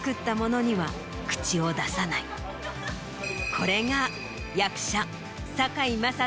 これが。